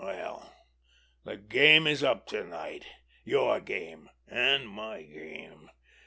Well, the game is up to night. Your game—and my game!